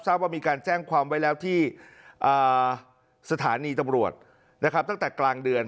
ว่ามีการแจ้งความไว้แล้วที่สถานีตำรวจนะครับตั้งแต่กลางเดือน